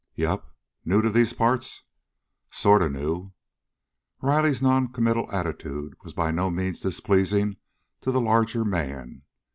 "Yep. New to these parts?" "Sort of new." Riley's noncommittal attitude was by no means displeasing to the larger man.